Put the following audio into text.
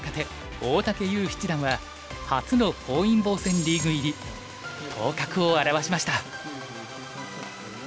大竹優七段は初の本因坊戦リーグ入り頭角を現しました。